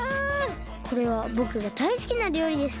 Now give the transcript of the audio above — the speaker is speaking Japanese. これはぼくがだいすきなりょうりですね。